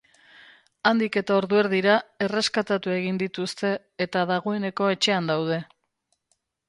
Handik eta ordu erdira, erreskatatu egin dituzte, eta dagoeneko etxean daude.